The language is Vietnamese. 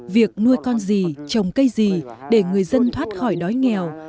việc nuôi con gì trồng cây gì để người dân thoát khỏi đói nghèo